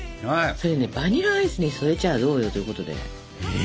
それねバニラアイスに添えちゃどうよということで。